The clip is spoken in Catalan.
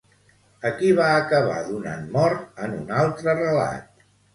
A qui va acabar donant mort en un altre relat?